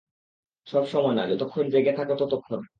সব সময় না, যতক্ষণ জেগে থাকো ততক্ষণ।